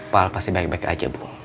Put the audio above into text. pak pasti baik baik aja bu